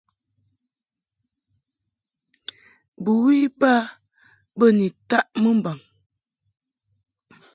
Bɨwi iba mbə taʼ mɨmbaŋ.